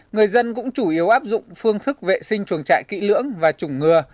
người dân cũng chủ yếu áp dụng phương thức vệ sinh chuồng trại kỹ lưỡng và chủng ngừa